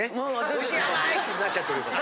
おいしい甘い！ってなっちゃってるから。